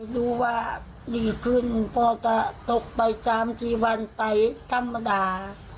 รู้ว่าดีขึ้นพอจะตกไป๓๔วันไปธรรมดา